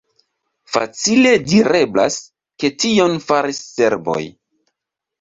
Facile direblas, ke tion faris serboj.